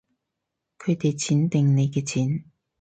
佢哋錢定你嘅錢